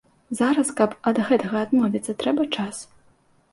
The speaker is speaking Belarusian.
Зараз, каб ад гэтага адмовіцца, трэба час.